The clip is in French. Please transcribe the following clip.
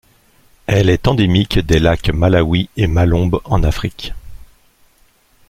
Elle est endémique des lac Malawi et Malombe en Afrique.